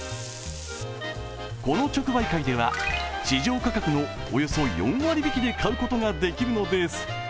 この直売会では、市場価格のおよそ４割引で買うことができるのです。